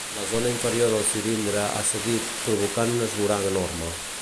La zona inferior del cilindre ha cedit, provocant un esvoranc enorme.